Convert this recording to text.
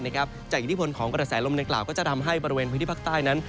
อิทธิพลของกระแสลมดังกล่าวก็จะทำให้บริเวณพื้นที่ภาคใต้นั้น